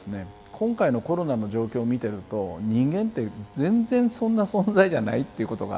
今回のコロナの状況を見てると人間って全然そんな存在じゃないっていうことがはっきりしたわけですよ。